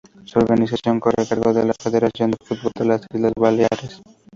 Su organización corre a cargo de la Federación de Fútbol de las Islas Baleares.